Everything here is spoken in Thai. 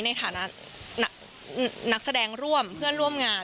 ในฐานะนักแสดงร่วมเพื่อนร่วมงาน